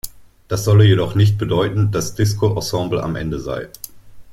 Das solle jedoch nicht bedeuten, dass Disco Ensemble am Ende sei.